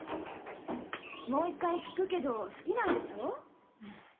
もう一回聞くけど好きなんでしょ？